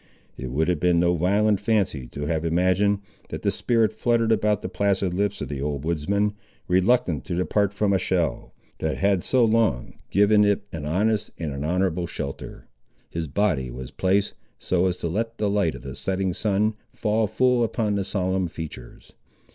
It would have been no violent fancy to have imagined, that the spirit fluttered about the placid lips of the old woodsman, reluctant to depart from a shell, that had so long given it an honest and an honourable shelter. His body was placed so as to let the light of the setting sun fall full upon the solemn features.